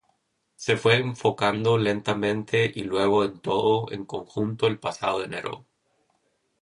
Se fue enfocando lentamente y luego todo en conjunto el pasado enero".